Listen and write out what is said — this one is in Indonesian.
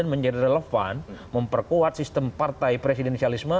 dan menjadi relevan memperkuat sistem partai presidensialisme